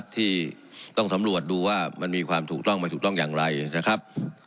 ที่ต้องสำรวจดูว่ามันมีความถูกต้องมันถูกต้องอย่างไรนะครับ